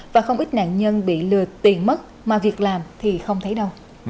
và không ít nạn nhân bị lừa tiền mất mà việc làm thì không thấy đâu